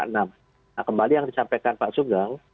nah kembali yang disampaikan pak sugeng